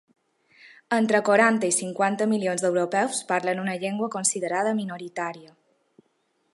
Entre quaranta i cinquanta milions d’europeus parlen una llengua considerada minoritària.